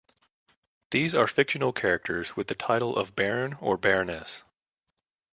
These are fictional characters with the title of "baron" or "baroness".